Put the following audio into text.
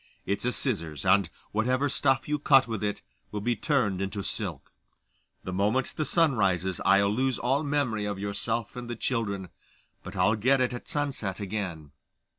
It's a scissors, and whatever stuff you cut with it will be turned into silk. The moment the sun rises, I'll lose all memory of yourself and the children, but I'll get it at sunset again.